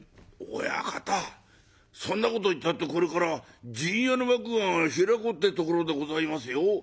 「親方そんなこと言ったってこれから『陣屋』の幕が開こうってところでございますよ。